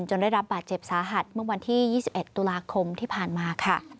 ได้รับบาดเจ็บสาหัสเมื่อวันที่๒๑ตุลาคมที่ผ่านมาค่ะ